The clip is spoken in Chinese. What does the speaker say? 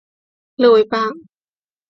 勒维巴。